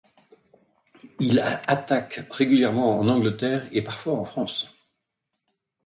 Il attaque régulièrement en Angleterre et parfois en France.